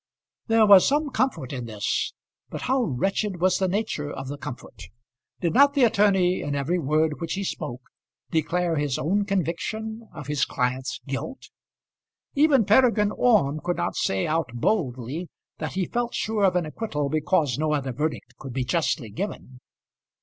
There was some comfort in this; but how wretched was the nature of the comfort! Did not the attorney, in every word which he spoke, declare his own conviction of his client's guilt. Even Peregrine Orme could not say out boldly that he felt sure of an acquittal because no other verdict could be justly given.